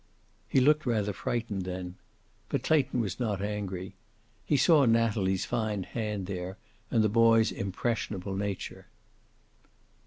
He looked rather frightened then. But Clayton was not angry. He saw Natalie's fine hand there, and the boy's impressionable nature.